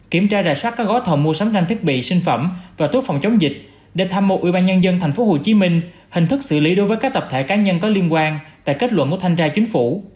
kiểm tra rà soát các gói thầu mua sắm nhanh thiết bị sinh phẩm và thuốc phòng chống dịch để tham mưu ubnd tp hcm hình thức xử lý đối với các tập thể cá nhân có liên quan tại kết luận của thanh tra chính phủ